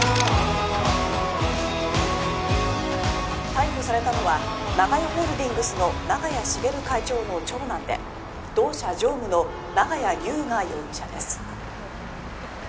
「逮捕されたのは長屋ホールディングスの長屋茂会長の長男で同社常務の長屋龍河容疑者です」